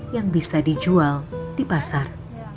yang bisa dijual di pasar